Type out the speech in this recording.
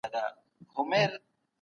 علم هېڅکله په تيارو کي نه پاته کيږي.